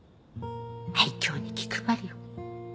愛嬌に気配りよ。